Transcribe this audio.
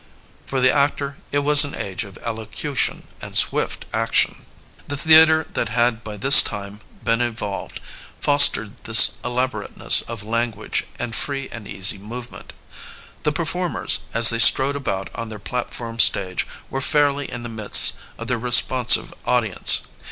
'* For the actor it was an age of elocution and swift action. The theatre that had by this time been evolved, fostered this elaborateness of language and free and easy movement. The performers, as they strode about on their platform stage, were fairly in the midst of their responsive audience.